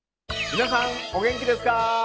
皆さんお元気ですか？